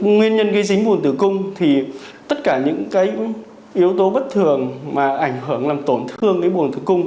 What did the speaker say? nguyên nhân gây dính vùng tử cung thì tất cả những cái yếu tố bất thường mà ảnh hưởng làm tổn thương cái buồn tử cung